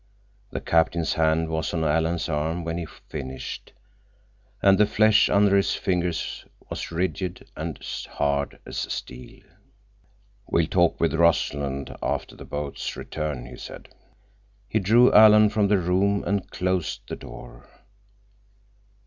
The captain's hand was on Alan's arm when he finished, and the flesh under his fingers was rigid and hard as steel. "We'll talk with Rossland after the boats return," he said. He drew Alan from the room and closed the door.